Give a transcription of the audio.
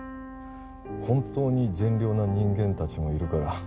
本当に善良な人間たちもいるから